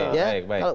betul baik baik